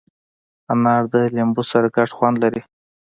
انار د لیمو سره ګډ خوند لري.